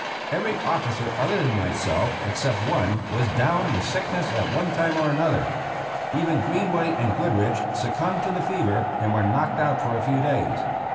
Every officer other than myself except one was down with sickness at one time or another. Even Greenway and Goodrich succumbed to the fever and were knocked out for a few days.